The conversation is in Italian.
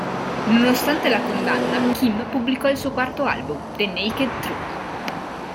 Nonostante la condanna, Kim pubblicò il suo quarto album, "The Naked Truth".